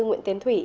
nguyễn tiến thủy